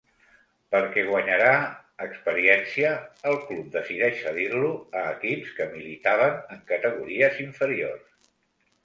Perquè guanyara experiència el club decideix cedir-lo a equips que militaven en categories inferiors.